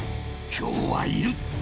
今日はいる！